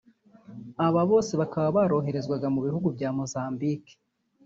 Aba bose bakaba baroherezwaga mu bihugu bya Mozambique